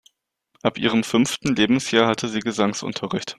Ab ihrem fünften Lebensjahr hatte sie Gesangsunterricht.